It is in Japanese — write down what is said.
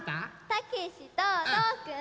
たけしととおくん。